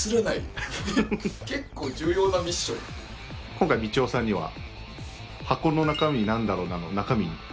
今回みちおさんには「箱の中身はなんだろな？」の中身。